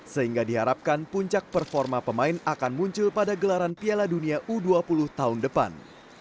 sehingga diharapkan puncak performa pemain akan muncul pada gelaran piala dunia u dua puluh tahun depan